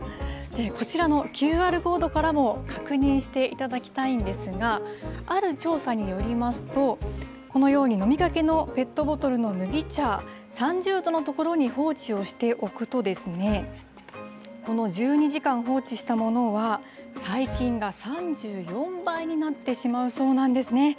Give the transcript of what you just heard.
こちらのＱＲコードからも、確認していただきたいんですが、ある調査によりますと、このように、飲みかけのペットボトルの麦茶、３０度の所に放置をしておくと、この１２時間放置したものは、細菌が３４倍になってしまうそうなんですね。